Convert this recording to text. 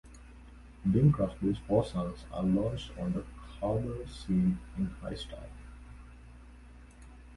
Bing Crosby's four sons are launched on the cabaret scene in high style.